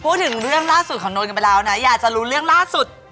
พูดถึงเรื่องล่าสุดของนนท์กันไปแล้วนะอยากจะรู้เรื่องล่าสุด